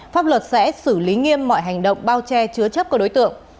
pháp luật sẽ xử lý nghiêm mọi hành động bao che chứa chấp của đối tượng